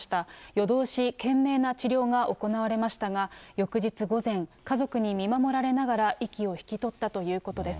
夜通し懸命な治療が行われましたが、翌日午前、家族に見守られながら息を引き取ったということです。